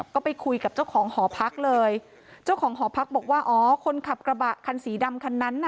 ก็ไปคุยกับเจ้าของหอพักเลยเจ้าของหอพักบอกว่าอ๋อคนขับกระบะคันสีดำคันนั้นน่ะ